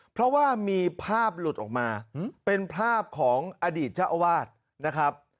เพราะว่ามีภาพหลุดออกมาเป็นภาพของอดีตเจ้าอาวาสนะครับ